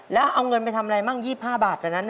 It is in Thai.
แล้วเอาเงินไปทำอะไรมั่ง๒๕บาทตอนนั้น